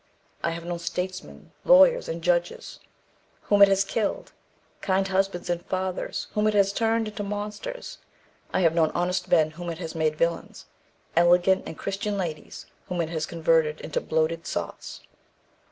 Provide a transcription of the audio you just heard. I have known statesmen, lawyers, and judges whom it has killed kind husbands and fathers whom it has turned into monsters. I have known honest men whom it has made villains; elegant and Christian ladies whom it has converted into bloated sots."